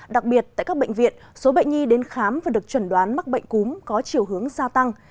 đặc biệt tại các bệnh viện số bệnh nhi đến khám và được chuẩn đoán mắc bệnh cúm có chiều hướng gia tăng